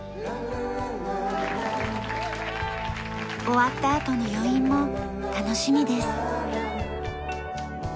終わったあとの余韻も楽しみです。